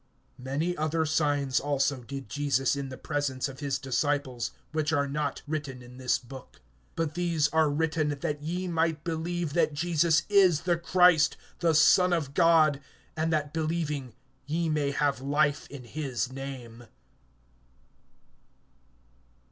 (30)Many other signs also did Jesus in the presence of his disciples, which are not written in this book. (31)But these are written, that ye might believe that Jesus is the Christ, the Son of God, and that believing ye may have life in his name.